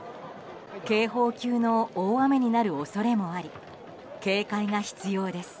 警報級の大雨になる恐れもあり警戒が必要です。